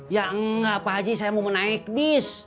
ya enggak apa haji saya mau naik bis